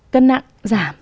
cân nặng giảm